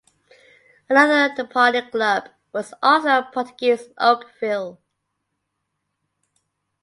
Another departing club was Arsenal Portuguese Oakville.